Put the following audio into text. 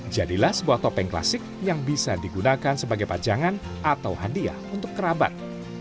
jadilah sebuah topeng klasik yang bisa digunakan sebagai pajangan atau hadiah untuk kerabat